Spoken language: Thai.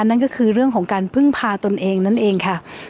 นั่นก็คือเรื่องของการพึ่งพาตนเองนั่นเองค่ะ